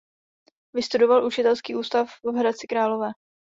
Vystudoval učitelský ústav v Hradci Králové.